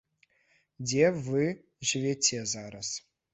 Дзе вы жывяце зараз?